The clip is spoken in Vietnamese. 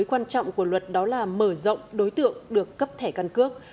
quan trọng của luật đó là mở rộng đối tượng được cấp thẻ căn cước